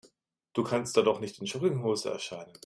Du kannst da doch nicht in Jogginghose erscheinen.